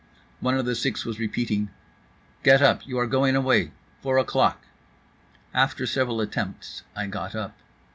One of the six was repeating: "Get up, you are going away. Four o'clock." After several attempts I got up.